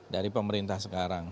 dari pemerintah sekarang